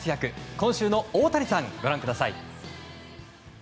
今週のオオタニさんご覧ください。